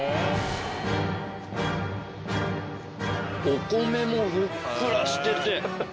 お米もふっくらしてて。